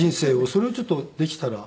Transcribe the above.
それをちょっとできたら。